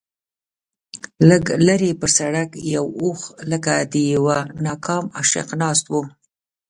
لږ لرې پر سړک یو اوښ لکه د یوه ناکام عاشق ناست و.